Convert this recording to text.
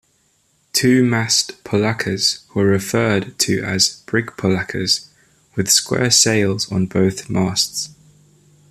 Two-masted polaccas were referred to as brig-polaccas with square sails on both masts.